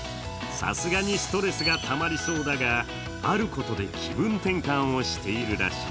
さすがにストレスがたまりそうだが、あることで気分転換をしているらしい。